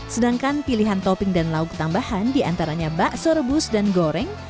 sedangkan pilihan topping dan lauk tambahan diantaranya bakso rebus dan goreng